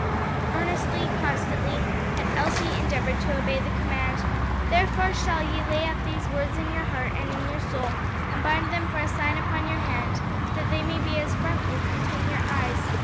Earnestly, constantly had Elsie endeavored to obey the command. "Therefore shall ye lay up these my words in your heart and in your soul, and bind them for a sign upon your hand, that they may be as frontlets between your eyes.